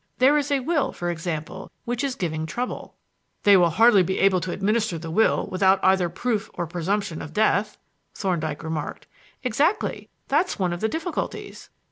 There is a will, for example, which is giving trouble." "They will hardly be able to administer the will without either proof or presumption of death," Thorndyke remarked. "Exactly. That's one of the difficulties.